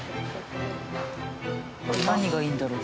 何がいいんだろう？